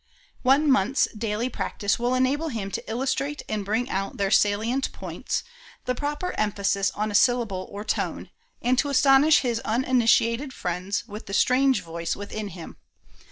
One month's daily practice will enable him to illustrate and bring out their salient points, the proper emphasis on a syllable or a tone, and to astonish his uninitiated friends with the " strange voice " within him.